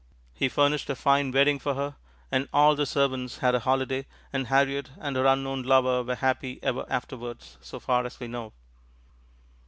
He furnished a fine wedding for her, and all the servants had a holiday, and Harriot and her unknown lover were happy ever afterwards so far as we know.